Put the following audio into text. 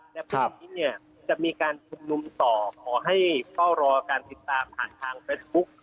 และพรุ่งนี้เนี่ยจะมีการชุมนุมต่อขอให้เฝ้ารอการติดตามผ่านทางเฟซบุ๊ค